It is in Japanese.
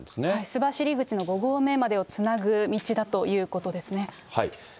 須走口の５合目までをつなぐ道だということですね。